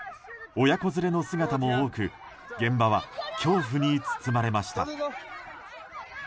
親子連れの姿も多く現場は恐怖に包まれました。